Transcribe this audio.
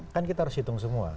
kan kita harus hitung semua